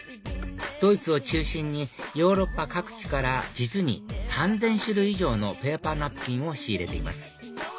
ドイツを中心にヨーロッパ各地から実に３０００種類以上のペーパーナプキンを仕入れています